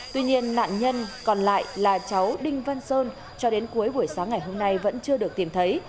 tuy nhiên nạn nhân còn lại là cháu đinh văn sơn cho đến cuối buổi sáng ngày hôm nay vẫn chưa được tìm thấy